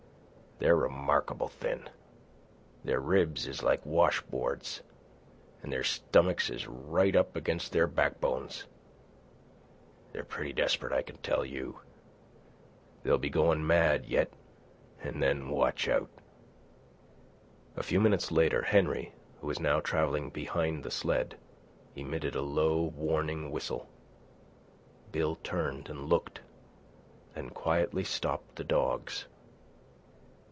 They're remarkable thin. Their ribs is like wash boards, an' their stomachs is right up against their backbones. They're pretty desperate, I can tell you. They'll be goin' mad, yet, an' then watch out." A few minutes later, Henry, who was now travelling behind the sled, emitted a low, warning whistle. Bill turned and looked, then quietly stopped the dogs.